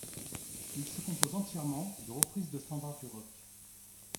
Il se compose entièrement de reprises de standards du rock.